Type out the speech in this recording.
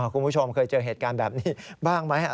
คุณผู้ชมเคยเจอเหตุการณ์แบบนี้บ้างไหม